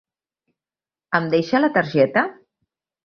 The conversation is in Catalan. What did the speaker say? Em deixa la targeta.?